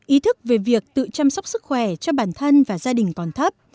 ý thức về việc tự chăm sóc sức khỏe cho bản thân và gia đình còn thấp